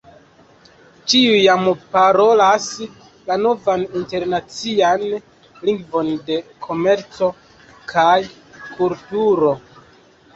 Ĉiuj jam parolas la novan internacian lingvon de komerco kaj kulturo!